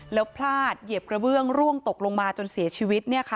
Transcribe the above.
แล้วพลาดเหยียบกระเบื้องร่วงตกลงมาจนเสียชีวิต